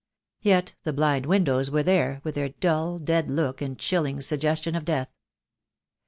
Yet the blind windows were there, with their dull, dead look and chilling suggestion of death.